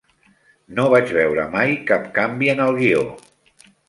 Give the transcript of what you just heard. No vaig veure mai cap canvi en el guió.